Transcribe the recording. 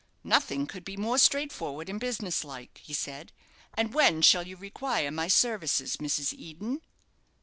"Nothing could be more straightforward and business like," he said. "And when shall you require my services, Mrs. Eden?"